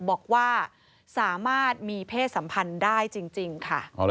บอกว่าสามารถมีเพศสัมพันธ์ได้จริงค่ะ